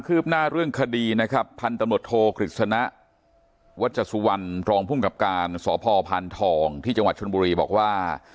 ืบหน้าเรื่องคดีนะครับพันธุ์ตำรวจโทกฤษณะวัชสุวรรณรองภูมิกับการสพพานทองที่จังหวัดชนบุรีบอกว่า